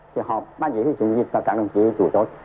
thì họ bác chí huy trưởng dịch và các đồng chí chủ tốt